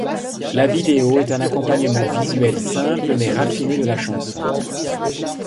La vidéo est un accompagnement visuel simple mais raffiné de la chanson.